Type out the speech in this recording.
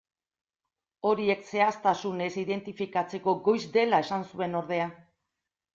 Horiek zehaztasunez identifikatzeko goiz dela esan zuen ordea.